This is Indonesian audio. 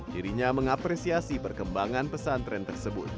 dirinya mengapresiasi perkembangan pesantren tersebut